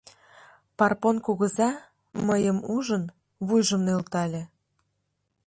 Парпон кугыза, мыйым ужын, вуйжым нӧлтале: